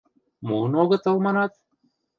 Муын огытыл, манат?